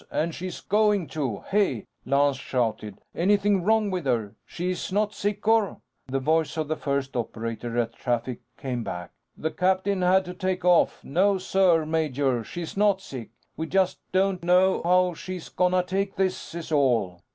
And she's going to! Hey!" Lance shouted. "Anything wrong with her? She's not sick or " The voice of the first operator at Traffic came back on. "The captain had to take off. No sir, major. She's not sick. We just don't know how she's gonna take this, is all."